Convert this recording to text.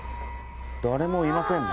誰もいませんね。